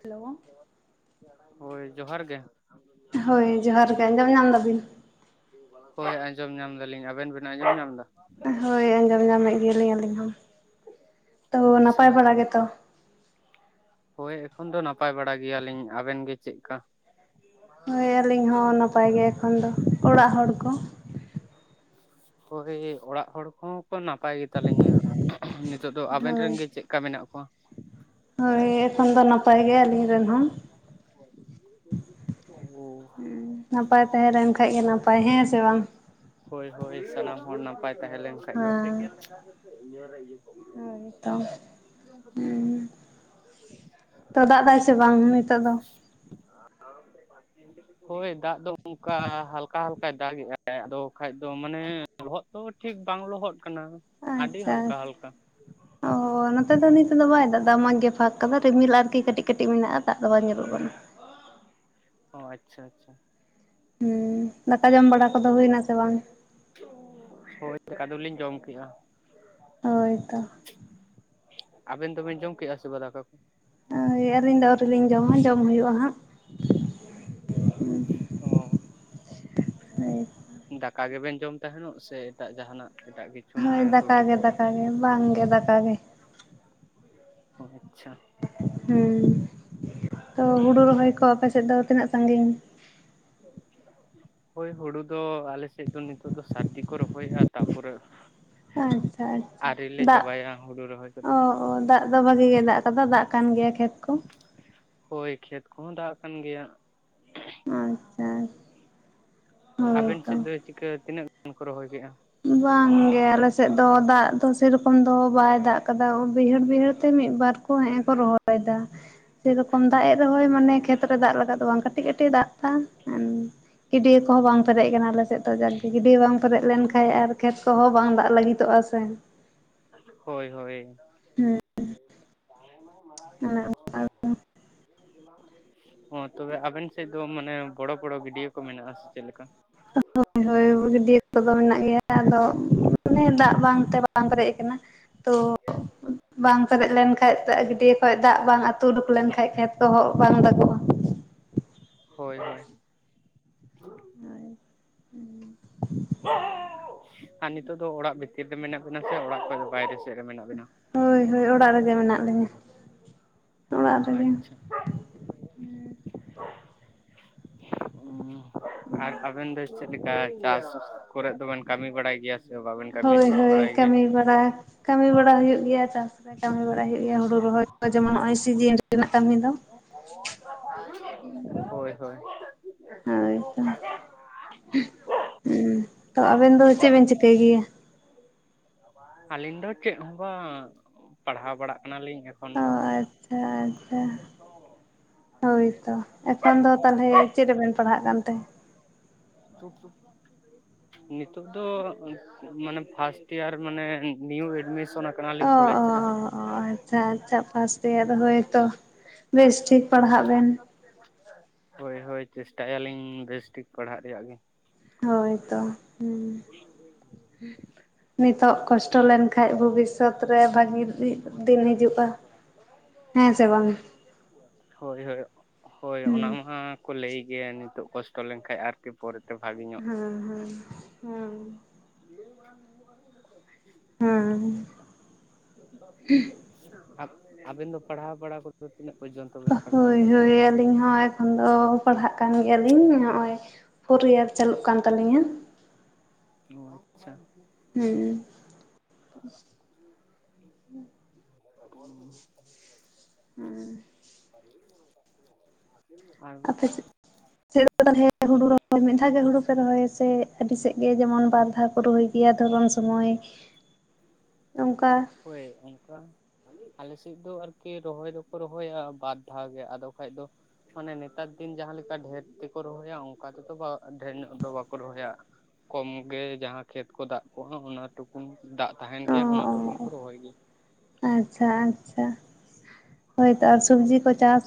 Hello ᱦᱳᱭ ᱡᱚᱦᱟᱨ ᱜᱮ᱾ ᱦᱳᱭ ᱡᱚᱦᱟᱨ ᱜᱮ᱾ ᱟᱸᱡᱚᱢ ᱧᱟᱢ ᱫᱟᱵᱤᱱ? ᱦᱳᱭ ᱟᱸᱡᱚᱢ ᱧᱟᱢ ᱫᱟᱞᱤᱧ᱾ ᱟᱵᱮᱱ ᱵᱮᱱ ᱟᱸᱡᱚᱢ ᱧᱟᱢ ᱮᱫᱟ? ᱦᱳᱭ ᱟᱸᱡᱚᱢ ᱧᱟᱢᱮᱫ ᱜᱮᱭᱟᱞᱤᱧ ᱟᱹᱞᱤᱧ ᱦᱚᱸ᱾ ᱛᱚ ᱟᱪᱪᱷᱟ ᱱᱟᱯᱟᱭ ᱵᱟᱲᱟᱜ ᱜᱮᱛᱚ? ᱦᱳᱭ ᱮᱠᱷᱚᱱ ᱫᱚ ᱱᱟᱯᱟᱭ ᱵᱟᱲᱟ ᱜᱮᱭᱟᱞᱤᱧ᱾ ᱟᱵᱮᱱ ᱜᱮ ᱪᱮᱫᱠᱟ? ᱦᱳᱭ ᱟᱹᱞᱤᱧ ᱦᱚᱸ ᱱᱟᱯᱟᱭ ᱜᱮ ᱮᱠᱷᱚᱱ ᱫᱚ᱾ ᱚᱲᱟᱜ ᱦᱚᱲ ᱠᱚ? ᱦᱳᱭ ᱚᱲᱟᱜ ᱠᱚᱦᱚᱸ ᱠᱚ ᱱᱟᱯᱟᱭ ᱜᱮᱛᱟ ᱞᱤᱧᱟᱹ᱾ ᱱᱤᱛᱚᱜ ᱫᱚ ᱟᱵᱮᱱ ᱦᱳᱭ ᱨᱮᱱ ᱜᱮ ᱪᱮᱫ ᱞᱮᱠᱟ ᱢᱮᱱᱟᱜ ᱠᱚᱣᱟ? ᱦᱳᱭ ᱮᱠᱷᱚᱱ ᱫᱚ ᱱᱟᱯᱟᱭ ᱜᱮᱞᱤᱧ ᱨᱮᱱ ᱦᱚᱸ᱾ [unintelligible] ᱱᱟᱯᱟᱭ ᱛᱟᱦᱮᱸ ᱞᱮᱱ ᱠᱷᱟᱡ ᱜᱮ ᱱᱟᱯᱟᱭ, ᱦᱮᱸ ᱥᱮ ᱵᱟᱝ? ᱦᱳᱭ ᱦᱳᱭ ᱥᱟᱱᱟᱢ ᱦᱚᱲ ᱱᱟᱯᱟᱭ ᱛᱟᱦᱮᱸ ᱞᱮᱱ ᱠᱷᱟᱡ ᱦᱮᱸ ᱜᱮ᱾ ᱦᱳᱭ ᱛᱚ ᱦᱩᱸ᱾ ᱛᱚ ᱫᱟᱜ ᱫᱟᱭ ᱥᱮ ᱵᱟᱝ ᱱᱤᱛᱚᱜ ᱫᱚ? ᱦᱳᱭ ᱫᱟᱜ ᱫᱚ ᱚᱱᱠᱟ ᱦᱟᱞ ᱠᱟ ᱦᱟᱯᱠᱟᱭ ᱫᱟᱜ-ᱮ ᱟᱭ ᱟᱫᱚ ᱠᱷᱟᱱ ᱫᱚ ᱢᱟᱱᱮ ᱞᱚᱦᱚᱫ ᱫᱚ ᱴᱷᱤᱠ ᱵᱟᱝ ᱞᱚᱦᱚᱫ ᱠᱟᱱᱟ᱾ ᱟᱹᱰᱤ ᱟᱪᱪᱷᱟ ᱦᱟᱞᱠᱟ ᱟᱪᱪᱷᱟ᱾ [inaudible] ᱚ ᱱᱚᱛᱮ ᱫᱚ ᱱᱤᱛᱚᱜ ᱫᱚ ᱵᱟᱭ ᱫᱟᱜ ᱫᱟ, ᱢᱚᱡᱽ ᱜᱮ ᱯᱷᱟᱸᱠ ᱠᱟᱫᱟ ᱨᱤᱢᱤᱞ ᱟᱨᱠᱤ ᱠᱟᱹᱴᱤᱡ ᱠᱟᱹᱴᱤᱡ ᱢᱮᱱᱟᱜᱼᱟ ᱫᱟᱜ ᱫᱚ ᱵᱟᱭ ᱧᱩᱨᱩᱜ ᱠᱟᱱᱟ᱾ ᱚ ᱟᱪᱪᱷᱟ ᱟᱪᱪᱷᱟ᱾ ᱦᱩᱸ ᱫᱟᱠᱟ ᱡᱚᱢ ᱵᱟᱲᱟ ᱠᱚᱫᱚ ᱦᱩᱭᱱᱟ ᱥᱮ ᱵᱟᱝ? ᱦᱳᱭ ᱫᱟᱠᱟ ᱫᱚᱞᱤᱧ ᱡᱚᱢ ᱠᱮᱜᱼᱟ᱾ ᱦᱳᱭ ᱛᱚ᱾ ᱟᱵᱮᱱ ᱫᱚᱵᱮᱱ ᱡᱚᱢ ᱠᱮᱜᱼᱟ ᱥᱮᱵᱟ ᱫᱟᱠᱟ ᱠᱚ? ᱦᱳᱭ ᱟᱹᱞᱤᱧ ᱫᱚ ᱟᱹᱨᱤᱞᱤᱧ ᱡᱚᱢᱟ ᱡᱚᱢ, ᱦᱩᱭᱩᱜᱼᱟ ᱦᱟᱸᱜ᱾ ᱚ᱾ ᱦᱳᱭ᱾ ᱫᱟᱠᱟ ᱜᱮᱵᱮᱱ ᱡᱚᱢ ᱛᱟᱦᱮᱱᱚᱜ ᱥᱮ ᱮᱴᱟᱜ ᱡᱟᱦᱟᱱᱟᱜ ᱮᱴᱟᱜ ᱠᱤᱪᱷᱩ? ᱥᱩ ᱦᱳᱭ ᱢᱟᱱᱮ ᱫᱟᱠᱟ ᱴᱩᱴᱤ ᱜᱮ ᱠᱚᱣᱟᱭ᱾ ᱫᱟᱠᱟ ᱜᱮ ᱵᱟᱝ ᱜᱮ ᱫᱟᱠᱟ ᱜᱮ ᱚ ᱟᱪᱪᱷᱟ᱾ ᱦᱩᱸ᱾ ᱛᱚ ᱦᱩᱲᱩ ᱨᱚᱦᱚᱭ ᱠᱚ ᱟᱯᱮᱥᱮᱫ ᱫᱚ ᱛᱤᱱᱟᱹᱜ ᱥᱟᱺᱜᱤᱧ? ᱦᱮ [unintelligible] ᱦᱳᱭ ᱦᱩᱲᱩ ᱫᱚᱻ ᱟᱞᱮ ᱥᱮᱫ ᱫᱚ ᱱᱤᱛᱚᱜ ᱫᱚ ᱥᱟᱹᱨᱫᱤ ᱠᱚ ᱨᱚᱦᱚᱭᱮᱫᱼᱟ ᱛᱟᱨᱯᱚᱨᱮ ᱟᱪᱪᱷᱟ ᱟᱪᱪᱷᱟ ᱟᱨᱤ ᱞᱮ ᱫᱟᱜ ᱪᱟᱵᱟᱭᱟ ᱦᱩᱲᱩ ᱨᱚᱦᱚᱭ ᱠᱚᱫᱚ᱾ ᱚ ᱚ ᱫᱟᱜ ᱫᱚ ᱵᱷᱟᱜᱤ ᱜᱮ ᱫᱟᱜ ᱟᱠᱟᱫᱟ ᱫᱟᱜ ᱠᱟᱱ ᱜᱮᱭᱟ ᱠᱷᱮᱛ ᱠᱚ ᱾ ᱦᱳᱭ ᱠᱷᱮᱛ ᱠᱚᱦᱚᱸ ᱫᱟᱜ ᱠᱟᱱ ᱜᱮᱭᱟ ᱾ ᱟᱪᱪᱷᱟ᱾ ᱦᱳᱭ ᱟᱵᱮᱱ ᱛᱚ ᱥᱮᱫ ᱫᱚ ᱪᱤᱠᱟᱹ ᱛᱤᱱᱟᱹᱜ ᱜᱟᱱ ᱠᱚ ᱨᱚᱦᱚᱭ ᱠᱮᱫᱼᱟ? ᱵᱟᱝᱜᱮ ᱟᱞᱮᱥᱮᱫ ᱫᱚ ᱫᱟᱜ ᱫᱚ ᱥᱮᱨᱚᱠᱚᱢ ᱫᱚ ᱵᱟᱭ ᱫᱟᱜ ᱠᱟᱫᱟ ᱵᱟᱹᱭᱦᱟᱹᱲ ᱵᱟᱹᱭᱦᱟᱹᱲ ᱛᱮ ᱢᱤᱫ ᱵᱟᱨ ᱻᱻ ᱠᱩ ᱦᱮᱸᱜ-ᱮ ᱠᱚ ᱨᱚᱦᱚᱭᱮᱫᱟ ᱾ [inaudible] ᱥᱮᱨᱚᱠᱚᱢ ᱫᱟᱜ ᱮᱜ ᱨᱮ ᱩᱸᱻᱦᱚᱭ ᱢᱟᱱᱮ ᱠᱷᱮᱛᱨᱮ ᱫᱟᱜ ᱞᱟᱜᱟᱜ ᱫᱚ ᱵᱟᱝ ᱠᱟᱹᱴᱤᱡ ᱠᱟᱹᱴᱤᱡ ᱫᱟᱜ ᱫᱟ, ᱜᱤᱰᱭᱟᱹᱠᱚᱦᱚᱸ ᱵᱟᱝ ᱯᱮᱨᱮᱡ ᱠᱟᱱᱟ ᱟᱞᱮᱮᱥᱮᱫ ᱫᱚ ᱡᱟᱠᱜᱮ, ᱜᱤᱰᱭᱟᱹ ᱵᱟᱝ ᱯᱮᱨᱮᱡ ᱞᱮᱱᱼᱼ ᱠᱷᱟᱡ ᱟᱨ ᱠᱷᱮᱛ ᱠᱚᱦᱚᱸ ᱵᱟᱝ ᱫᱟᱜ ᱞᱟᱹᱜᱤᱫᱚᱜᱼᱟ ᱥᱮ ᱾ ᱦᱳᱭ ᱦᱳᱭ᱾ ᱚᱱᱮ ᱚ ᱛᱚᱵᱮ ᱟᱵᱮᱱ ᱥᱮᱫ ᱢᱟᱱᱮ ᱵᱚᱲᱚ ᱵᱚᱲᱚ ᱜᱤᱰᱭᱟᱹ ᱠᱚ ᱢᱮᱱᱟᱜᱼᱟ ᱥᱮ ᱪᱮᱫ ᱞᱮᱠᱟ? ᱦᱳᱭ ᱦᱳᱭ ᱜᱟᱹᱰᱭᱟᱹ ᱠᱚᱫᱚ ᱢᱮᱱᱟᱜ ᱜᱮᱭᱟ ᱟᱫᱚᱻᱻ ᱢᱟᱱᱮ ᱫᱟᱜ ᱵᱟᱝᱛᱮ ᱵᱟᱝ ᱯᱮᱨᱮᱡ ᱟᱠᱟᱱᱟ ᱾ ᱛᱚᱻ ᱵᱟᱝ ᱯᱮᱨᱮᱡ ᱞᱮᱱᱠᱷᱟᱱᱡ ᱫᱟᱜ ᱜᱟᱹᱰᱭᱟᱹ ᱠᱷᱚᱱ ᱫᱟᱜ ᱵᱟᱝᱼᱼ ᱛᱩ ᱩᱵᱩᱠ ᱞᱮᱱᱠᱷᱟᱱ ᱠᱷᱮᱛ ᱠᱚᱦᱚ ᱵᱟᱝ ᱫᱟᱚᱜᱼᱟ ᱾ ᱦᱳᱭ ᱦᱳᱭ᱾ [unintelligible] ᱦᱳᱭ ᱦᱩᱸ ᱟᱨ ᱱᱤᱛᱳᱜ ᱫᱚ ᱚᱲᱟᱜ ᱵᱷᱤᱛᱤᱨ ᱨᱮ ᱢᱮᱱᱟᱜ ᱵᱤᱱᱟ ᱥᱮ ᱚᱲᱟᱜ ᱵᱟᱭᱨᱮ ᱥᱮᱫ ᱨᱮ ᱢᱮᱱᱟᱜ ᱵᱤᱱᱟ? ᱦᱳᱭ ᱦᱳᱭ ᱚᱲᱟᱜ ᱨᱮᱜᱮ ᱢᱮᱱᱟᱜ ᱞᱤᱧᱟᱹ ᱾ ᱟᱪᱪᱷᱟ᱾ ᱩᱸᱻ ᱟᱨ ᱟᱵᱮᱱ ᱫᱚ ᱪᱮᱫ ᱞᱮᱠᱟ ᱪᱟᱥ ᱠᱚᱨᱮᱫ ᱫᱚᱵᱮᱱ ᱠᱟᱹᱢᱤ ᱵᱟᱲᱟᱭ ᱜᱮᱭᱟᱼᱼ ᱦᱳᱭ ᱦᱳᱭ ᱠᱟᱹᱢᱤ ᱵᱟᱲᱟ ᱠᱟᱹᱢᱤ ᱵᱟᱲᱟ ᱦᱩᱭᱩᱜ ᱜᱮᱭᱟ ᱪᱟᱥ ᱨᱮ, ᱠᱟᱹᱢᱤ ᱵᱟᱲᱟᱭ ᱦᱩᱭᱩᱜ ᱜᱮᱭᱟ ᱦᱩᱲᱩ ᱨᱚᱦᱚᱭ ᱡᱮᱢᱚᱱ ᱱᱚᱜᱼᱚᱭ ᱥᱤᱡᱤᱱ ᱨᱮ ᱼᱼ ᱦᱳᱭ ᱦᱳᱭ᱾ ᱦᱳᱭ ᱛᱚ ᱦᱩᱸ ᱛᱚ ᱟᱵᱮᱱ ᱫᱚ ᱪᱮᱫ ᱵᱮᱱ ᱪᱤᱠᱟᱹᱭ ᱜᱮᱭᱟ? ᱟᱹᱞᱤᱧ ᱫᱚ ᱪᱮᱫ ᱦᱚᱸ ᱵᱟᱝ ᱯᱟᱲᱦᱟᱣ ᱵᱟᱲᱟᱜ ᱠᱟᱱᱟᱞᱤᱧ ᱾ ᱚ ᱟᱪᱪᱷᱟ ᱟᱪᱪᱷᱟ᱾ ᱦᱳᱭᱛᱚ ᱮᱠᱷᱚᱱ ᱫᱚ ᱛᱟᱦᱚᱞᱮ ᱪᱮᱫ ᱨᱮᱵᱮᱱ ᱯᱟᱲᱦᱟᱜ ᱠᱟᱱᱛᱮ [unintelligible] ᱱᱤᱛᱚᱜ ᱫᱚᱻ ᱢᱟᱱᱮ ᱯᱷᱟᱥᱴ ᱤᱭᱟᱨ ᱢᱟᱱᱮ ᱱᱤᱭ ᱮᱰᱢᱤᱥᱚᱱ ᱟᱠᱟᱱᱟᱞᱤᱧ ᱚ ᱠᱚᱞᱮᱡᱽ ᱚ ᱨᱮ᱾ ᱟᱪᱪᱷᱟ ᱟᱪᱪᱷᱟ ᱯᱷᱟᱥ ᱤᱭᱟᱨ ᱨᱮ ᱦᱳᱭ ᱛᱚ, ᱵᱮᱥᱴᱷᱤᱠ ᱯᱟᱲᱦᱟᱜ ᱵᱮᱱ ᱾ ᱦᱳᱭ ᱦᱳᱭ ᱪᱮᱥᱴᱟᱭᱟᱞᱞᱤᱧ ᱵᱮᱥᱴᱷᱤᱠ ᱯᱟᱲᱦᱟᱜ ᱨᱮᱭᱟᱜ ᱜᱮ᱾ ᱦᱳᱭᱛᱚ ᱦᱩᱸ [unintelligible] ᱱᱤᱛᱳᱜ ᱠᱚᱥᱴᱚ ᱞᱮᱱᱠᱷᱟᱡ ᱵᱷᱚᱵᱤᱥᱥᱚᱛ ᱨᱮ ᱵᱷᱟᱹᱜᱤᱼ ᱦᱮᱸ ᱥᱮ ᱵᱟᱝ? ᱦᱳᱭ ᱦᱳᱭ᱾ ᱦᱳᱭ ᱚᱱᱟ ᱦᱩᱸ ᱚᱱᱟᱻᱠᱚ ᱞᱟᱹᱭ ᱜᱮᱭᱟ ᱱᱤᱛᱚᱜ ᱠᱚᱥᱴᱚ ᱞᱮᱱᱠᱟᱱᱡ ᱟᱨᱠᱤ ᱯᱚᱨᱮᱛᱮ ᱵᱷᱟᱜᱤ ᱻᱻ ᱦᱩᱸ ᱦᱩᱸ ᱦᱩᱸᱻ [unintelligible] ᱦᱩᱸ᱾ ᱟᱯ ᱟᱵᱮᱱ ᱫᱚ ᱯᱟᱲᱦᱟᱣ ᱵᱟᱲᱟ ᱠᱚᱫᱚ ᱛᱤᱱᱟᱹᱜ ᱯᱚᱨᱡᱚᱱᱛᱚ? ᱵᱮᱱ ᱯᱟᱲᱦᱟᱣ ᱦᱳᱭ ᱠᱟᱜᱼᱟ? ᱦᱳᱭ ᱟᱹᱞᱤᱧ ᱦᱚᱸ ᱮᱠᱷᱟᱱ ᱫᱚ ᱯᱟᱲᱦᱟᱜ ᱠᱟᱱ ᱜᱮᱭᱟᱞᱤᱧ ᱱᱚᱸᱜᱼᱚᱭ ᱯᱷᱳᱨ ᱤᱭᱟᱨ ᱪᱟᱹᱞᱩᱜ ᱠᱟᱱ ᱛᱟᱹᱞᱤᱧᱟ ᱾ ᱚ ᱟᱪᱪᱷᱟ᱾ ᱦᱩᱸ᱾ [unintelligible] ᱩᱸ᱾ ᱦᱩᱸ᱾ [inaudible] [inaudible] ᱟᱯᱮᱫ ᱪᱮᱫ [unintelligible] ᱦᱩᱲᱩ ᱨᱚᱦᱚᱭ ᱢᱤᱫ ᱫᱷᱟᱣ ᱜᱮ ᱦᱩᱲᱩ ᱯᱮ ᱨᱚᱦᱚᱭᱟ ᱥᱮ ᱟᱹᱰᱤ ᱥᱮᱫ ᱜᱮ ᱡᱮᱢᱚᱱ ᱵᱟᱨ ᱫᱷᱟᱣ ᱠᱚ ᱨᱚᱦᱚᱭ ᱜᱮᱭᱟ ᱫᱷᱚᱨᱚᱱ ᱥᱚᱢᱳᱭ ᱚᱝᱠᱟ ᱦᱳᱭ ᱚᱝᱠᱟ ᱟᱞᱮᱥᱮᱫ ᱫᱚ ᱟᱨᱠᱤ ᱨᱚᱦᱚᱭ ᱫᱚᱠᱚ ᱨᱚᱦᱚᱭᱟ ᱵᱟᱨ ᱫᱷᱟᱣ ᱜᱮ ᱟᱫᱚ ᱠᱷᱟᱡ ᱫᱚ ᱢᱟᱱᱮ ᱱᱮᱛᱟᱨ ᱫᱤᱱ ᱡᱟᱦᱟᱸ ᱞᱮᱠᱟ ᱰᱷᱮᱨ ᱛᱮᱠᱚ ᱨᱚᱦᱚᱭᱟ ᱚᱱᱠᱟ ᱛᱮᱫᱚ ᱰᱷᱮᱨ ᱧᱚᱜ ᱫᱚ ᱵᱟᱠᱚ ᱨᱚᱦᱚᱭᱟ᱾ ᱠᱚᱢ ᱜᱮ ᱡᱟᱦᱟᱸ ᱠᱷᱮᱛ ᱠᱚ ᱫᱟᱜ ᱠᱚᱜᱼᱟ ᱚᱱᱟ ᱴᱩᱠᱩᱱ ᱫᱟᱜ ᱛᱟᱦᱮᱸᱱ ᱚ ᱜᱮᱭᱟ ᱚᱱᱟ ᱚ ᱴᱩᱠᱩᱱ ᱠᱚ ᱨᱚᱦᱚᱭ ᱜᱮᱭᱟ᱾ ᱟᱪᱪᱷᱟ ᱟᱪᱪᱷᱟ ᱦᱳᱭᱛᱚ ᱟᱨ ᱥᱚᱵᱡᱤ ᱠᱚ ᱪᱟᱥ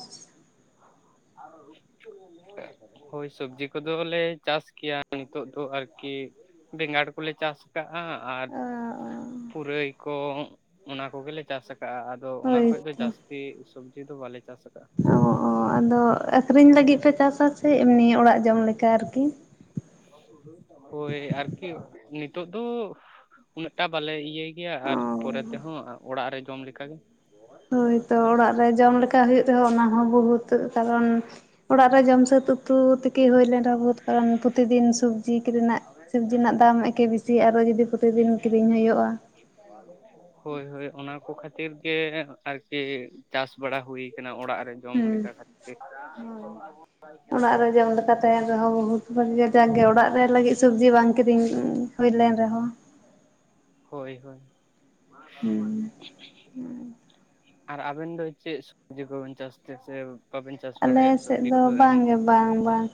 [inaudible] ᱦᱳᱭ ᱥᱚᱵᱡᱤ ᱠᱚᱫᱚᱞᱮ ᱪᱟᱥ ᱜᱮᱭᱟ ᱱᱤᱛᱳᱜ ᱫᱚ ᱟᱨᱠᱤ᱾ ᱵᱮᱸᱜᱟᱲ ᱠᱚᱞᱮ ᱪᱟᱥ ᱠᱟᱜᱼᱟ, ᱟᱨ ᱚ ᱯᱩᱨᱟᱹᱭ ᱠᱚ ᱚᱱᱟ ᱠᱚᱜᱮᱞᱮ ᱪᱟᱥ ᱠᱟᱜᱼᱟ᱾ ᱟᱫᱚ ᱚᱱᱟ ᱠᱷᱚᱡ ᱫᱚ ᱦᱳᱭᱛᱚ ᱡᱟᱹᱥᱛᱤ ᱥᱚᱵᱡᱤ ᱫᱚ ᱵᱟᱞᱮ ᱪᱟᱥ ᱠᱟᱜᱼᱟ᱾ ᱚ ᱚ ᱟᱫᱚ ᱟᱹᱠᱷᱨᱤᱧ ᱞᱟᱹᱜᱤᱫ ᱯᱮ ᱪᱟᱥᱟ ᱥᱮ ᱮᱢᱱᱤ ᱚᱲᱟᱜ ᱡᱚᱢ ᱞᱮᱠᱟ ᱟᱨᱠᱤ? ᱦᱳᱭ ᱟᱨᱠᱤ ᱱᱤᱛᱳᱜ ᱫᱚ ᱩᱱᱟᱹᱜᱴᱟ ᱵᱟᱞᱮ ᱤᱭᱟᱹᱭ ᱜᱮᱭᱟ ᱟᱨ ᱚ ᱯᱚᱨᱮ ᱛᱮᱦᱚᱸ ᱚᱲᱟᱜ ᱡᱚᱢ ᱞᱮᱠᱟᱜᱮ᱾ ᱦᱳᱭᱛᱚ ᱚᱲᱟᱜ ᱨᱮ ᱡᱚᱢ ᱞᱮᱠᱟ ᱦᱩᱭᱩᱜ ᱨᱮᱦᱚᱸ ᱚᱱᱟ ᱦᱚᱸ ᱵᱚᱦᱩᱛ᱾ ᱱᱤᱛᱳᱜ ᱫᱚ ᱠᱟᱨᱚᱱ ᱚᱲᱟᱜ ᱨᱮ ᱡᱚᱢ ᱥᱟᱹᱛ ᱩᱛᱩ ᱛᱮᱠᱤ ᱦᱩᱭ ᱞᱮᱱ ‌ᱨᱮᱦᱚ ᱵᱚᱦᱩᱛ ᱠᱟᱨᱚᱱ ᱯᱨᱚᱛᱤᱫᱤᱱ ᱥᱩᱵᱡᱤ ᱠᱤᱨᱤᱧ ᱨᱮᱱᱟᱜ ᱥᱚᱵᱽᱡᱤ ᱨᱮᱱᱟᱜ ᱫᱟᱢ ᱮᱠᱮ ᱵᱤᱥᱤ ᱟᱨᱚ ᱡᱩᱫᱤ ᱯᱨᱚᱛᱤᱫᱤᱱ ᱠᱤᱨᱤᱧ ᱦᱩᱭᱩᱜᱼᱟ, [inaudible] ᱦᱳᱭ ᱦᱳᱭ ᱚᱱᱟ ᱠᱚ ᱠᱷᱟᱹᱛᱤᱨ ᱜᱮ ᱟᱨᱠᱤ ᱪᱟᱥ ᱵᱟᱲᱟ ᱦᱩᱭ ᱠᱟᱱᱟ ᱚᱲᱟᱜ ᱨᱮ ᱡᱚᱢ ᱞᱮᱠᱟ ᱦᱩᱸ ᱠᱷᱟᱹᱛᱤᱨ᱾ ᱛᱟᱦᱮᱸᱱ ᱨᱮᱦᱚᱸ ᱵᱚᱦᱩᱛ ᱵᱷᱟᱹᱜᱮ ᱡᱟᱜᱮ ᱚᱲᱟᱜ ᱨᱮ ᱞᱟᱹᱜᱤᱫ ᱥᱚᱵᱽᱡᱤ ᱵᱟᱝ ᱠᱤᱨᱤᱧ ᱦᱩᱭ ᱞᱮᱱ ᱨᱮᱦᱚᱸ ᱦᱳᱭ ᱦᱳᱭ᱾ ᱦᱩᱸ ᱟᱨ ᱟᱵᱮᱱ ᱫᱚ ᱪᱮᱫ ᱥᱚᱵᱡᱤ ᱠᱚᱵᱮᱱ ᱪᱟᱥ ᱛᱮᱥᱮ? ᱟᱞᱮ ᱥᱮᱫ ᱫᱚ ᱵᱟᱝᱜᱮ ᱵᱟᱝ ᱵᱟᱝ᱾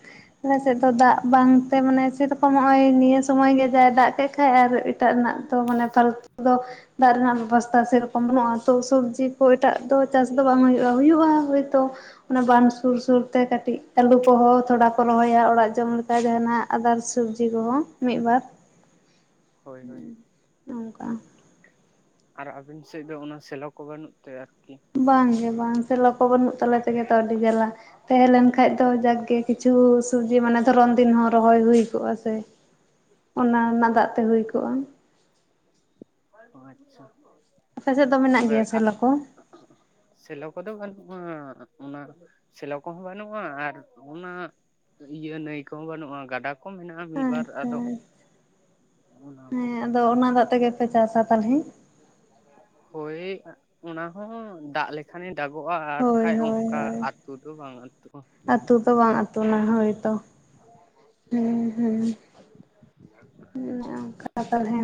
ᱟᱞᱮ ᱥᱮᱫ ᱫᱚ ᱫᱟᱜ ᱵᱟᱝᱛᱮ ᱢᱟᱱᱮ ᱥᱮᱨᱚᱠᱚᱢ ᱦᱚᱸᱜᱼᱚᱭ ᱱᱤᱭᱟᱹ ᱥᱚᱢᱚᱭ ᱜᱮ ᱡᱟᱭ ᱫᱟᱜ ᱠᱮᱫ ᱠᱷᱟᱡ ᱟᱨ ᱮᱴᱟᱜ ᱨᱮᱱᱟᱜ ᱛᱚ ᱢᱟᱱᱮ ᱯᱷᱟᱞᱛᱩ ᱫᱚ ᱫᱟᱜ ᱨᱮᱱᱟᱜ ᱵᱮᱵᱚᱥᱛᱟ ᱥᱮ ᱨᱚᱠᱚᱢ ᱵᱟᱹᱱᱩᱜᱼᱟ ᱛᱚ ᱥᱚᱵᱽᱡᱤ ᱠᱚ ᱮᱴᱟᱜ ᱫᱚ ᱪᱟᱥ ᱫᱚ ᱵᱟᱝ ᱦᱩᱭᱩᱜᱼᱟ ᱦᱩᱭᱩᱜᱼᱟ ᱦᱚᱳᱭᱛᱳ ᱚᱱᱟ ᱵᱟᱱ ᱥᱩᱨ ᱥᱩᱨ ᱛᱮ ᱠᱟᱹᱴᱤᱡ ᱟᱹᱞᱩ ᱠᱚᱦᱚᱸ ᱛᱷᱚᱲᱟ ᱠᱚ ᱨᱚᱦᱚᱭᱟ ᱚᱲᱟᱜ ᱡᱚᱢ ᱞᱮᱠᱟ ᱡᱟᱦᱟᱸᱱᱟᱜ ᱟᱫᱟᱨ ᱥᱚᱵᱡᱤ ᱠᱚᱦᱚᱸ ᱢᱤᱫ ᱵᱟᱨ᱾ [inaudible] ᱦᱩᱸ ᱚᱝᱠᱟ᱾ ᱟᱨ ᱟᱵᱤᱱ ᱥᱮᱫ ᱫᱚ ᱚᱱᱟ ᱥᱮᱞᱚ ᱠᱚ ᱵᱟᱹᱱᱩᱜ ᱛᱮ ᱟᱨᱠᱤ? ᱵᱟᱝᱜᱮ ᱵᱟᱝ ᱥᱮᱞᱚ ᱠᱚ ᱵᱟᱹᱱᱩᱜ ᱛᱟᱞᱮ ᱛᱮᱜᱮ ᱛᱚ ᱟᱹᱰᱤ ᱡᱟᱞᱟ ᱾ ᱛᱟᱦᱮᱸ ᱞᱮᱱᱠᱷᱟᱡ ᱫᱚ ᱡᱟᱠᱜᱮ ᱠᱤᱪᱷᱩ ᱥᱚᱵᱽᱡᱤ ᱢᱟᱱᱮ ᱫᱷᱚᱨᱚᱱ ᱫᱤᱱ ᱦᱚᱸ ᱨᱚᱦᱚᱭ ᱦᱩᱭ ᱠᱚᱜᱼᱟ ᱥᱮ ᱾ [inaudible] ᱚᱱᱟ ᱨᱮᱱᱟᱜ ᱦᱳᱭ ᱫᱟᱜ ᱛᱮ ᱦᱩᱭ ᱠᱚᱜᱼᱟ ᱾ ᱟᱪᱪᱷᱟ, ᱟᱯᱮ ᱥᱮᱫ ᱫᱚ ᱢᱮᱱᱟᱜ ᱛᱚᱵᱮ ᱜᱮᱭᱟ ᱥᱮᱞᱚ ᱠᱚ ᱥᱮᱞᱚ ᱠᱚᱫᱚ ᱵᱟᱹᱱᱩᱜᱼᱟ ᱚᱱᱟ ᱥᱮᱞᱚ ᱠᱚᱦᱚᱸ ᱵᱟᱹᱱᱩᱜᱼᱟ ᱟᱨ ᱚᱱᱟ ᱤᱭᱟᱹ ᱱᱟᱹᱭ ᱠᱚᱦᱚᱸ ᱵᱟᱹᱱᱩᱜᱼᱟ, ᱜᱟᱰᱟ ‌ᱠᱚ ᱢᱮᱱᱟᱜᱼᱟ ᱢᱤᱫ ᱵᱟᱨ ᱟᱪᱪᱷᱟ ᱟᱫᱚ ᱚᱱᱟ ᱠᱚᱜᱮ ᱦᱮᱸ ᱾ ᱟᱫᱚ ᱚᱱᱟ ᱫᱟᱜ ᱛᱮᱜᱮ ᱯᱮ ᱪᱟᱥᱟ ᱛᱟᱞᱦᱮ? ᱦᱳᱭ ᱚᱱᱟ ᱦᱚᱸ ᱫᱟᱜ ᱞᱮ ᱠᱷᱟᱱᱮ ᱫᱟᱜᱚᱜᱼᱟ ᱦᱳᱭ ᱟᱨᱠᱷᱟᱡ ᱦᱳᱭ ᱚᱝᱠᱟ ᱟᱛᱩ ᱫᱚ ᱵᱟᱝ ᱟᱹᱛᱩᱜᱼᱟ ᱾ ᱛᱚ ᱵᱟᱝ ᱟᱛᱩᱱᱟ ᱦᱳᱭ ᱛᱚ ᱦᱩᱸ ᱦᱩᱸ ᱾ ᱚᱱᱮ ᱚᱝᱠᱟ ᱛᱟᱞᱦᱮ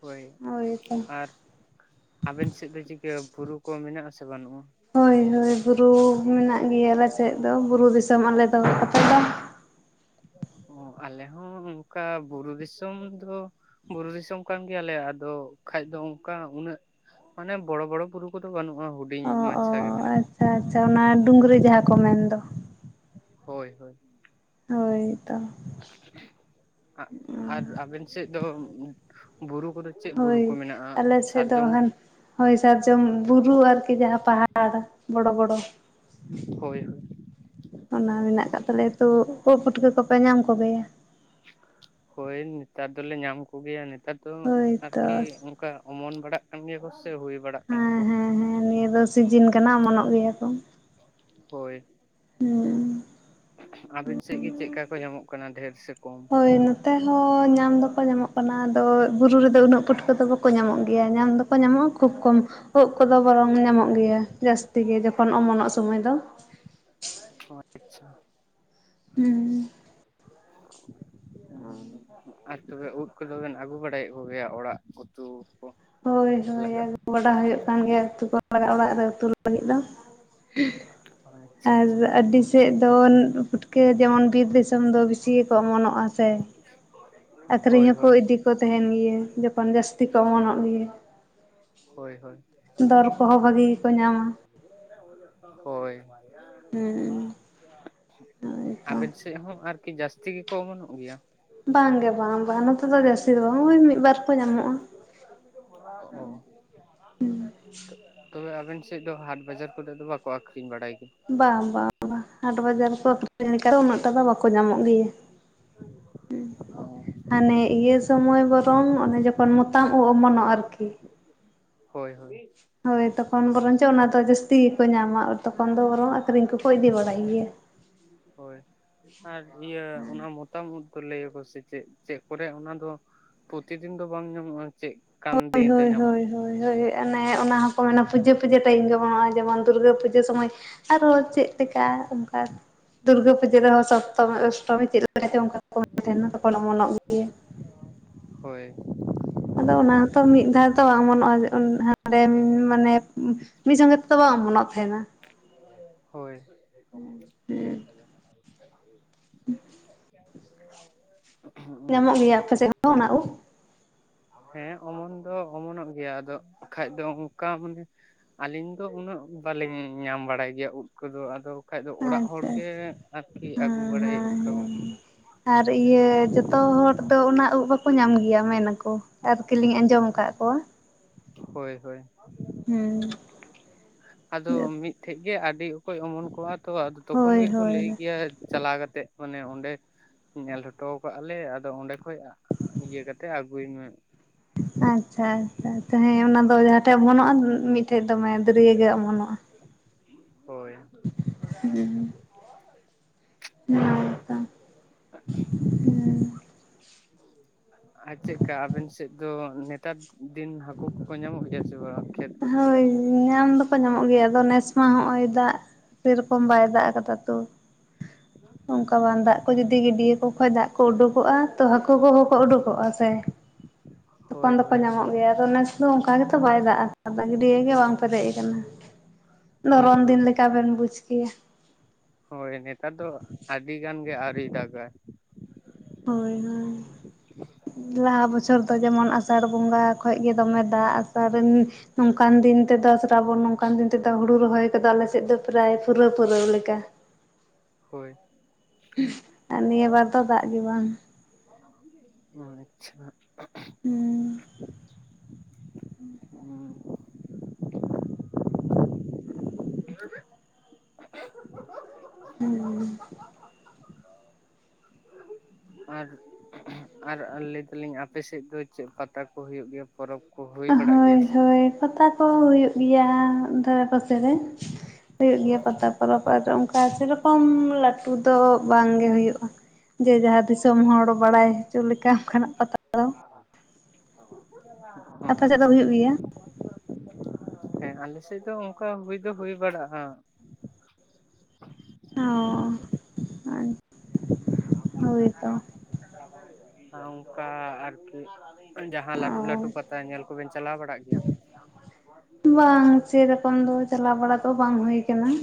ᱦᱳᱭ, ᱦᱳᱭᱛᱚ ᱟᱨ ᱟᱵᱮᱱ ᱥᱮᱫ ᱫᱚ ᱪᱤᱠᱟᱹ ᱵᱩᱨᱩ ᱠᱚ ᱢᱮᱱᱟᱜᱼᱟ ᱥᱮ ᱵᱟᱱᱩᱜᱼᱟ? ᱦᱳᱭ ᱦᱳᱭ ᱵᱩᱨᱩ ᱢᱮᱱᱟᱜ ᱜᱮᱭᱟ ᱟᱞᱮ ᱥᱮᱫ ᱫᱚ ᱵᱩᱨᱩ ᱫᱤᱥᱚᱢ ᱟᱞᱮ ᱫᱚ ᱾ ᱟᱯᱮ ᱫᱚ? ᱚ, ᱟᱞᱮ ᱦᱚᱸ ᱚᱝᱠᱟ ᱵᱩᱨᱩ ᱫᱤᱥᱚᱢ ᱫᱚ ᱵᱩᱨᱩ ᱫᱤᱥᱚᱢ ᱠᱟᱱ ᱜᱮᱭᱟᱞᱮ ᱟᱫᱚ ᱠᱷᱟᱡ ᱫᱚ ᱚᱝᱠᱟ ᱩᱱᱟᱹᱜ ᱢᱟᱱᱮ ᱵᱚᱲᱚ ᱵᱚᱲᱚ ᱵᱩᱨᱩ ᱠᱚᱫᱚ ᱵᱟᱹᱱᱩᱜᱼᱟ ᱦᱩᱰᱤᱧ ᱚ ᱚ ᱢᱟᱪᱷᱟ ᱜᱮ ᱢᱮᱱᱟᱜᱼᱟ ᱾ ᱟᱪᱪᱷᱟ ᱟᱪᱪᱷᱟ ᱚᱱᱟ ᱰᱩᱝᱨᱤ ᱡᱟᱦᱟᱸ ᱠᱚ ᱢᱮᱱᱫᱚ ᱾ ᱦᱳᱭ ᱦᱳᱭ ᱾ ᱦᱳᱭ ᱛᱚ ᱾ ᱟ ᱟᱨ ᱟᱵᱮᱱ ᱥᱮᱡ ᱫᱚ ᱵᱩᱨᱩ ᱠᱚᱫᱚ ᱪᱮᱫ ᱵᱩᱨᱩ ᱠᱚ ᱦᱳᱭ ᱢᱮᱱᱟᱜᱼᱟ ᱟᱞᱮ ᱥᱮᱫ ᱫᱚ ᱥᱟᱨᱡᱚᱢ? ᱦᱟᱱ ᱦᱳᱭ ᱥᱟᱨᱡᱚᱢ ᱵᱩᱨᱩ ᱟᱨᱠᱤ ᱡᱟᱦᱟᱸ ᱯᱟᱦᱟᱲ ᱵᱚᱲᱚ ᱵᱚᱲᱚ ᱾ ᱦᱳᱭ ᱚᱱᱟ ᱢᱮᱱᱟᱜ ᱟᱠᱟᱫ ᱛᱟᱞᱮᱭᱟ, ᱛᱳ ᱳᱜ ᱯᱩᱴᱠᱟᱹ ᱠᱚᱯᱮ ᱧᱟᱢ ᱠᱚᱜᱮᱭᱟ? ᱦᱳᱭ ᱱᱮᱛᱟᱨ ᱫᱚᱞᱮ ᱧᱟᱢ ᱠᱚᱜᱮᱭᱟ ᱱᱮᱛᱟᱨ ᱫᱚ ᱦᱳᱭ ᱛᱚ ᱟᱨᱠᱤ ᱠᱟ ᱚᱢᱚᱱ ᱵᱟᱲᱟᱜ ᱠᱟᱱ ᱜᱮᱭᱟ ᱠᱚ ᱥᱮ ᱦᱩᱭ ᱵᱟᱲᱟᱜ ᱠᱟᱱᱟ ᱠᱚ ᱦᱟᱸ ᱦᱮᱸ ᱦᱮᱸ ᱱᱤᱭᱟᱹ ᱫᱚ ᱥᱤᱡᱤᱱ ᱠᱟᱱᱟ ᱚᱢᱚᱱᱚᱜ ᱜᱮᱭᱟ ᱠᱚ ᱾ ᱦᱳᱭ ᱾ ᱦᱩᱸ ᱾ ᱟᱵᱤᱱ ᱥᱮᱡ ᱜᱮ ᱪᱮᱜᱠᱟ ᱠᱚ ᱧᱟᱢᱚᱜ ᱠᱟᱱᱟ ᱰᱷᱮᱨ ᱥᱮ ᱠᱚᱢ? ᱦᱳᱭ ᱱᱚᱛᱮ ᱦᱚᱸ ᱧᱟᱢ ᱫᱚᱠᱚ ᱧᱟᱢᱚᱜ ᱠᱟᱱᱟ ᱟᱫᱚ ᱵᱩᱨᱩ ᱨᱮᱫᱚ ᱩᱱᱟᱹᱜ ᱯᱩᱴ ᱠᱟᱹ ᱫᱚ ᱵᱟᱠᱚ ᱧᱟᱢᱚᱜ ᱜᱮᱭᱟ, ᱧᱟᱢ ᱫᱚᱠᱚ ᱧᱟᱢᱚᱜᱼᱟ ᱠᱷᱩᱵ ᱠᱚᱢ ᱾ ᱳᱜ ᱠᱚᱫᱚ ᱵᱚᱨᱚᱝ ᱧᱟᱢᱚᱜ ᱜᱮᱭᱟ ᱡᱟᱥᱛᱤ ᱜᱮ ᱡᱚᱠᱷᱚᱱ ᱚᱢᱚᱱᱚᱜ ᱥᱚᱢᱚᱭ ᱫᱚ ᱾ ᱟᱪᱪᱷᱟ ᱦᱩᱸ ᱾ ᱦᱮᱸ ᱾ ᱟᱡ ᱛᱚᱵᱮ ᱩᱫ ᱠᱚᱫᱚ ᱵᱮᱱ ᱟᱜᱩ ᱵᱟᱲᱟᱭᱮᱜ ᱠᱚᱜᱮᱭᱟ ᱚᱲᱟᱜ ᱩᱛᱩ ᱠᱚ? ᱦᱳᱭ ᱦᱳᱭ ᱞᱟᱜᱟᱜ ᱟᱜᱩ ᱵᱟᱰᱟ ᱦᱳᱭᱳᱜ ᱠᱟᱱ ᱜᱮᱭᱟ ᱩᱛᱩ ᱠᱚ ᱞᱟᱜᱟᱜ ᱚᱲᱟᱜ ᱨᱮ ᱩᱛᱩ ᱞᱟᱹᱜᱤᱫ ᱫᱚ ᱾ [inaudible] ᱟᱪᱪᱷᱟ ᱟᱨ ᱟᱪᱪᱷᱟ ᱟᱹᱰᱤ ᱥᱮᱫ ᱫᱚᱱ ᱩᱫ ᱯᱩᱴᱠᱟᱹ ᱡᱮᱢᱚᱱ ᱵᱤᱨ ᱫᱤᱥᱚᱢ ᱫᱚ ᱵᱤᱥᱤ ᱜᱮᱠᱚ ᱚᱢᱚᱱᱚᱜᱼᱟ ᱥᱮ ᱟᱠᱷᱨᱤᱧ ᱦᱳᱭ ᱦᱚᱸᱠᱚ ᱦᱳᱭ ᱤᱫᱤ ᱠᱚ ᱛᱮᱦᱮᱱ ᱜᱮᱭᱟ ᱡᱚᱠᱷᱚᱱ ᱡᱟᱥᱛᱤ ᱠᱚ ᱚᱢᱚᱱᱚᱜ ᱜᱮᱭᱟ ᱾ ᱦᱳᱭ ᱦᱳᱭ ᱾ ᱫᱚᱨ ᱠᱚᱦᱚᱸ ᱵᱷᱟᱹᱜᱤ ᱜᱮᱠᱚ ᱧᱟᱢᱟ ᱾ ᱦᱳᱭ ᱾ ᱦᱩᱸ ᱦᱳᱭᱛᱚ ᱟᱵᱮᱱ ᱥᱮᱡ ᱦᱚᱸ ᱟᱨᱠᱤ ᱡᱟᱥᱛᱤ ᱜᱮᱠᱚ ᱚᱢᱚᱱᱚᱜ ᱜᱮᱭᱟ᱾ ᱵᱟᱝ ᱜᱮ ᱵᱟᱝ ᱵᱟᱝ ᱱᱚᱛᱮ ᱫᱚ ᱡᱟᱥᱛᱤ ᱫᱚ ᱵᱟᱝ ᱳᱭ ᱢᱤᱫᱵᱟᱨ ᱠᱚ ᱧᱟᱢᱚᱜ-ᱟ᱾ [inaudible] ᱛᱚᱵᱮ ᱟᱵᱮᱱ ᱥᱮᱡ ᱫᱚ ᱦᱟᱴ ᱵᱟᱡᱟᱨ ᱠᱚᱨᱮ ᱫᱚ ᱵᱟᱠᱚ ᱟᱠᱠᱷᱤᱨᱤᱧ ᱵᱟᱲᱟᱭ ᱜᱮ᱾ ᱵᱟᱝ ᱵᱟᱝ ᱵᱟᱝ ᱦᱟᱴ ᱵᱟᱡᱟᱨ ᱨᱮᱠᱚ ᱟᱠᱷᱨᱤᱧ ᱞᱮᱠᱷᱟᱡ ᱦᱚᱸ ᱩᱱᱟᱹᱜ ᱴᱟ ᱫᱚ ᱵᱟᱠᱚ ᱧᱟᱢᱚᱜ ᱜᱮᱭᱟ᱾ ᱦᱟᱱᱮ ᱤᱭᱟᱹ ᱛᱚᱢᱚᱭ ᱵᱚᱨᱚᱝ ᱚᱱᱮ ᱡᱚᱠᱷᱚᱱ ᱢᱚᱛᱟᱢ ᱳᱜ ᱚᱢᱚᱱᱚᱜ ᱟᱨᱠᱤ᱾ ᱦᱳᱭ ᱦᱳᱭ᱾ ᱦᱳᱭ ᱛᱚᱠᱷᱚᱱ ᱵᱚᱨᱚᱝ ᱪᱚ ᱚᱱᱟᱫᱚ ᱡᱟᱹᱥᱛᱤ ᱜᱮᱠᱚ ᱧᱟᱢᱟ ᱛᱚᱠᱷᱚᱱ ᱫᱚ ᱵᱚᱨᱚᱝ ᱟᱹᱠᱷᱨᱤᱧ ᱠᱚᱠᱚ ᱤᱫᱤ ᱵᱟᱲᱟᱭ ᱜᱮᱭᱟ᱾ ᱦᱳᱭ᱾ ᱤᱭᱟᱹ ᱚᱱᱟ ᱢᱚᱛᱟᱢ ᱩᱫ ᱠᱚ ᱞᱟᱹᱭᱟᱠᱚ ᱥᱮ ᱪᱮᱫ ᱪᱮᱫ ᱞᱟᱹᱭᱟ ᱚᱱᱟ ᱫᱚ ᱯᱳᱛᱤᱫᱤᱱ ᱫᱚ ᱵᱟᱝ ᱧᱟᱢᱚᱜᱼᱟ ᱪᱮᱫ ᱠᱟᱱ ᱦᱳᱭ ᱫᱤᱱ ᱨᱮ ᱦᱳᱭ ᱧᱟᱢᱚᱜ ᱦᱳᱭ ᱦᱳᱭ ᱦᱳᱭ ᱚᱱᱮ ᱚᱱᱟ ᱦᱚᱸᱠᱚ ᱢᱮᱱᱟ ᱯᱩᱡᱟᱹ ᱯᱩᱡᱟᱹ ᱴᱟᱹᱭᱤᱢ ᱜᱮ ᱵᱟᱱᱚᱜᱼᱟ ᱦᱚᱸᱜ-ᱚᱭ ᱡᱮᱢᱚᱱ ᱫᱩᱨᱜᱟᱹ ᱯᱩᱡᱟᱹ ᱥᱚᱢᱚᱭ ᱟᱨᱚ ᱪᱮᱫ ᱞᱮᱠᱟ ᱚᱱᱠᱟ ᱫᱩᱨᱜᱟᱹ ᱯᱩᱡᱟᱹ ᱨᱮᱦᱚᱸ ᱥᱚᱵ ᱛᱚᱢᱤ ᱚᱥᱴᱚᱢᱤ ᱪᱮᱫ ᱞᱮᱠᱟ ᱪᱚ ᱚᱱᱠᱟ ᱠᱚ ᱛᱟᱦᱮᱱᱟ ᱛᱚᱠᱷᱚᱱ ᱢᱚᱱᱚᱜ ᱜᱮᱭᱟ᱾ ᱦᱳᱭ᱾ ᱟᱫᱚ ᱚᱱᱟ ᱦᱚᱸᱛᱚ ᱢᱤᱫ ᱫᱷᱟᱣ ᱫᱚ ᱵᱟᱝ ᱚᱢᱚᱱᱚᱜᱼᱟ ᱦᱟᱸᱰᱮ ᱢᱟᱱᱮ ᱢᱤᱫ ᱥᱚᱸᱜᱮ ᱛᱮ ᱫᱚ ᱵᱟᱝ ᱚᱢᱚᱱᱚᱜ ᱛᱟᱦᱮᱱᱟ᱾ ᱦᱳᱭ [inaudible] ᱧᱟᱢᱚᱜ ᱜᱮᱭᱟ ᱟᱯᱮᱥᱮ ᱚᱱᱟ ᱳᱜ? ᱦᱮᱸ ᱚᱢᱚᱱ ᱫᱚ ᱚᱢᱚᱱᱚᱜ ᱜᱮᱭᱟ ᱟᱫᱚ ᱠᱷᱟᱡ ᱫᱚ ᱚᱱᱠᱟ ᱢᱟᱱᱮ ᱟᱹᱞᱤᱧ ᱫᱚ ᱩᱱᱟᱹᱜ ᱵᱟᱹᱞᱤᱧ ᱧᱟᱢ ᱵᱟᱲᱟᱭ ᱜᱮᱭᱟ ᱩᱫ ᱠᱚᱫᱚ ᱟᱫᱚ ᱠᱷᱟᱡ ᱫᱚ ᱚᱲᱟᱜ ᱟᱪᱪᱷᱟ ᱦᱮᱸ ᱦᱚᱲᱜᱮ ᱟᱨᱠᱤ ᱟᱹᱜᱩ ᱵᱟᱲᱟᱭᱮᱫ ᱦᱮᱸ ᱠᱚ᱾ ᱛᱚ ᱦᱚᱴ ᱫᱚ ᱚᱱᱟ ᱩᱜ ᱵᱟᱠᱚ ᱧᱟᱢ ᱜᱮᱭᱟ ᱢᱮᱱᱟᱠᱚ ᱟᱨᱠᱤᱞᱤᱧ ᱟᱸᱡᱚᱢ ᱠᱟᱫ ᱠᱚᱣᱟ᱾ ᱦᱳᱭ ᱦᱳᱭ᱾ ᱦᱮᱸ᱾ ᱟᱫᱚ ᱢᱤᱫ ᱴᱷᱮᱱ ᱜᱮ ᱟᱹᱰᱤ ᱚᱠᱚᱡ ᱚᱢᱚᱱ ᱠᱚᱜ-ᱟ ᱛᱚ ᱟᱫᱚ ᱛᱚᱠᱷᱚᱱ ᱦᱳᱭ ᱜᱮᱠᱚ ᱞᱟᱹᱭ ᱦᱳᱭ ᱜᱮᱭᱟ ᱪᱟᱞᱟᱣ ᱠᱟᱛᱮᱫ᱾ ᱢᱟᱱᱮ ᱚᱸᱰᱮ ᱧᱮᱞ ᱦᱚᱴᱚ ᱠᱟᱜ-ᱟ ᱞᱮ ᱟᱫᱚ ᱚᱸᱰᱮ ᱠᱷᱚᱡ ᱤᱭᱟᱹ ᱠᱟᱛᱮ ᱟᱹᱜᱩᱭ ᱢᱮ᱾ ᱟᱪᱪᱷᱟ ᱟᱪᱪᱷᱟ, ᱛᱟᱦᱮᱸ ᱚᱱᱟ ᱫᱚ ᱡᱟᱦᱟᱸᱴᱷᱮᱡ ᱚᱢᱚᱱᱚᱜᱼᱟ ᱢᱤᱫᱴᱷᱮᱡ ᱫᱚᱢᱮ ᱫᱟᱹᱨᱭᱟᱹ ᱜᱮ ᱚᱢᱚᱱᱚᱜᱼᱟ᱾ ᱦᱳᱭ᱾ [inaudible] [inaudible] ᱟᱨ ᱪᱮᱫᱠᱟ ᱟᱵᱮᱱ ᱥᱮᱫ ᱫᱚ ᱱᱮᱛᱟᱨ ᱫᱤᱱ ᱦᱟᱹᱠᱩ ᱠᱚᱠᱚ ᱧᱟᱢᱚᱜ ᱜᱮᱭᱟ ᱥᱮ ᱵᱟᱝ? ᱠᱷᱮᱛ ᱵᱟᱹᱫᱽ ᱠᱚᱨᱮ ᱦᱳᱭ ᱧᱟᱢ ᱫᱚᱠᱚ ᱧᱟᱢᱚᱜ ᱜᱮᱭᱟ ᱟᱫᱚ ᱱᱮᱥ ᱢᱟ ᱦᱚᱸᱜᱼᱚᱭ ᱫᱟᱜ ᱥᱮᱨᱚᱠᱚᱢ ᱵᱟᱭ ᱫᱟᱜ ᱟᱠᱟᱫᱟ ᱛᱚ, ᱚᱱᱠᱟ ᱵᱟᱝ ᱫᱟᱜ ᱠᱚ ᱡᱩᱫᱤ ᱜᱤᱰᱭᱟᱹ ᱠᱚ ᱠᱷᱚᱡ ᱫᱟᱜ ᱠᱚ ᱩᱰᱩᱠᱚᱜᱼᱟ ᱛᱚ ᱦᱟᱹᱠᱩ ᱠᱚᱦᱚᱸ ᱠᱚ ᱩᱰᱩᱠᱚᱜᱼᱟ᱾ ᱥᱮ ᱛᱚᱯᱟᱱ ᱦᱳᱭ ᱫᱚᱠᱚ ᱦᱳᱭ ᱧᱟᱢᱚᱜ ᱜᱮᱭᱟ ᱟᱫᱚ ᱱᱮᱥ ᱫᱚ ᱚᱱᱠᱟ ᱜᱮᱛᱚ ᱵᱟᱭ ᱫᱟᱜᱼᱟ ᱟᱫᱚ [inaudible] ᱜᱟᱹᱰᱭᱟᱹ ᱜᱮ ᱵᱟᱝ ᱯᱮᱨᱮᱡ ᱟᱠᱟᱱᱟ, ᱦᱳᱭ ᱫᱷᱚᱨᱚᱱ ᱫᱤᱱ ᱦᱳᱭ ᱞᱮᱠᱟ ᱵᱮᱱ ᱵᱩᱡᱽ ᱠᱮᱭᱟ᱾ ᱦᱳᱭ ᱱᱮᱛᱟᱨ ᱫᱚ ᱟᱹᱰᱤ ᱜᱟᱱ ᱜᱮ ᱟᱹᱣᱨᱤ ᱫᱟᱜᱟᱭ᱾ ᱦᱳᱭ ᱦᱳᱭ᱾ ᱞᱟᱦᱟ ᱵᱚᱪᱷᱚᱨ ᱫᱚ ᱡᱮᱢᱚᱱ ᱟᱥᱟᱲ ᱵᱚᱸᱜᱟ ᱠᱷᱚᱡ ᱜᱮ ᱫᱚᱢᱮ ᱫᱟᱜ ᱟᱥᱟᱲ [unintelligible] ᱱᱚᱝᱠᱟᱱ ᱫᱤᱱ ᱛᱮᱫᱚ ᱥᱨᱟᱵᱚᱱ ᱱᱚᱝᱠᱟᱱ ᱫᱤᱱ ᱛᱮᱫᱚ ᱥᱟᱨᱵᱚᱱ ᱱᱚᱠᱟᱱ ᱫᱤᱱ ᱛᱮᱫᱚ ᱦᱩᱲᱩ ᱨᱚᱦᱚᱭ ᱠᱚᱫᱚ ᱟᱞᱮ ᱥᱮᱫ ᱫᱚ ᱯᱨᱟᱭ ᱯᱩᱨᱟᱹᱣ ᱯᱩᱨᱟᱹᱣ ᱞᱮᱠᱟ᱾ ᱦᱳᱭ ᱾ ᱟᱨ ᱱᱤᱭᱟᱹ ᱵᱟᱨ ᱫᱚ ᱫᱟᱜ ᱜᱮ ᱵᱟᱝ ᱾ ᱚ ᱟᱪᱪᱷᱟ ᱾ [inaudible] [unintelligible] [unintelligible] [unintelligible] [unintelligible] [unintelligible] ᱟᱨ ᱟᱨ ᱞᱟᱹᱭ ᱫᱟᱹᱞᱤᱧ ᱟᱯᱮ ᱥᱮᱫ ᱫᱚ ᱪᱮᱫ ᱯᱟᱛᱟ ᱠᱚ ᱦᱩᱭᱩᱜ ᱜᱮᱭᱟ? ᱯᱚᱨᱚᱵᱽ ᱠᱚ ᱾ ᱦᱳᱭ ᱦᱳᱭ ᱯᱟᱛᱟ ᱠᱚ ᱦᱩᱭᱩᱜ ᱜᱮᱭᱟ ᱫᱷᱟᱨᱮ ᱯᱟᱥᱮ ᱨᱮ ᱾ ᱦᱩᱭᱩᱜ ᱜᱮᱭᱟ ᱯᱟᱛᱟ ᱯᱚᱨᱚᱵ ᱟᱨ ᱚᱱᱠᱟ ᱥᱮ ᱨᱚᱠᱚᱢ ᱞᱟᱹᱴᱩ ᱫᱚ ᱵᱟᱝ ᱜᱮ ᱦᱩᱭᱩᱜ-ᱟ ᱡᱮ ᱡᱟᱦᱟᱸ ᱫᱤᱥᱚᱢ ᱦᱚᱲ ᱵᱟᱲᱟᱭ ᱦᱚᱪᱚ ᱞᱮᱠᱟ ᱚᱱᱠᱟᱱᱟᱜ ᱯᱟᱛᱟ ᱫᱚ ᱟᱯᱮ [unintelligible] ᱥᱮᱫ ᱫᱚ ᱟᱪᱪᱷᱟ ᱾ ᱦᱩᱭᱩᱜ ᱜᱮᱭᱟ [unintelligible] ᱦᱮᱸ ᱟᱞᱮ ᱥᱮᱫ ᱫᱚ ᱚᱱᱠᱟ ᱦᱩᱭ ᱫᱚ ᱦᱩᱭ ᱵᱟᱲᱟᱜᱼᱟ᱾ ᱚ [unintelligible] ᱦᱳᱭ [unintelligible] ᱛᱚ ᱟᱨ ᱚᱱᱠᱟ ᱡᱟᱦᱟᱸ ᱟᱨᱠᱤ ᱡᱟᱦᱟ ᱞᱟᱠ ᱞᱟᱹᱴᱩ ᱞᱟᱹᱴᱩ ᱚ ᱯᱟᱛᱟ ᱧᱮᱞ ᱠᱚᱵᱤᱱ ᱪᱟᱞᱟᱣ ᱵᱟᱲᱟᱜ ᱜᱮᱭᱟ? ᱵᱟᱝ ᱥᱮᱨᱚᱠᱚᱢ ᱫᱚ ᱪᱟᱞᱟᱣ ᱵᱟᱲᱟ ᱫᱚ ᱵᱟᱝ ᱦᱩᱭ ᱠᱟᱱᱟ ᱾